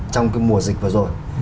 trong cái mùa dịch vừa rồi